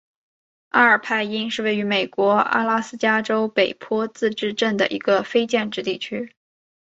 阿尔派因是位于美国阿拉斯加州北坡自治市镇的一个非建制地区。